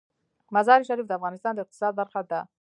مزارشریف د افغانستان د اقتصاد برخه ده.